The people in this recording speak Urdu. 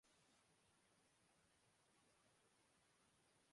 وہ دوسرے مفادات کو جاری رکھنے جا رہے ہیں مِسٹر جان نے کہا